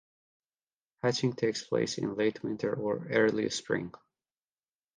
Hatching takes place in late winter or early spring.